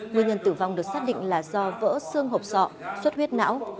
nguyên nhân tử vong được xác định là do vỡ xương hộp sọ suất suất huyết não